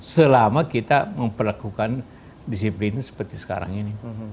selama kita memperlakukan disiplin seperti sekarang ini